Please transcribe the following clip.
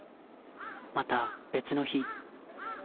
また別の日。